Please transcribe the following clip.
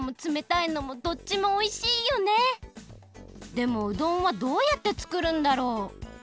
でもうどんはどうやって作るんだろう？